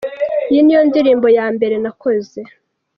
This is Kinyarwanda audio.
Iyi ni yo ndirimbo ya mbere nakoze.